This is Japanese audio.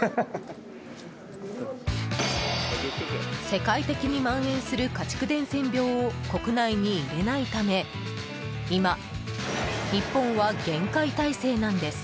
世界的に蔓延する家畜伝染病を国内に入れないため今、日本は厳戒態勢なんです。